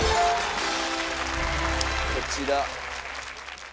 こちら。